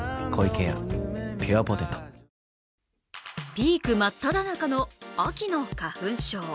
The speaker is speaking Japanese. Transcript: ピーク真っただ中の秋の花粉症。